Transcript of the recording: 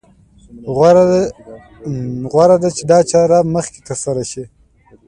غوره ده چې دا چاره مخکې تر سره شي.